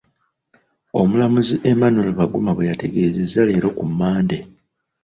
Omulamuzi Emmanuel Baguma bwe yategeezezza leero ku Mmande.